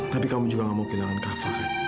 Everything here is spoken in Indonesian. tapi kamu juga gak mau kehilangan kak fad